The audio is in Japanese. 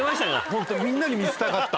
ホントにみんなに見せたかった。